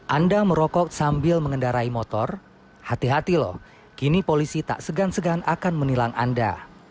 anda merokok sambil mengendarai motor hati hati loh kini polisi tak segan segan akan menilang anda